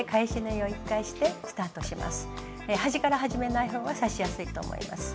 端から始めない方が刺しやすいと思います。